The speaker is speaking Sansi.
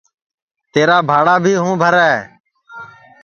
تیرا بھاڑا بھی ہوں بھرے